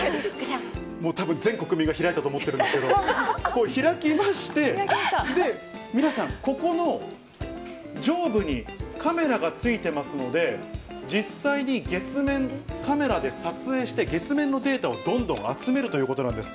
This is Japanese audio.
たぶん全国民が開いたと思ってるんですけど、開きまして、皆さん、ここの上部にカメラが付いてますので、実際に月面、カメラで撮影して、月面のデータをどんどん集めるとえー？